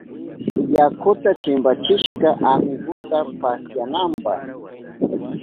Yakuta chimpachishka amigunta pasyananpa.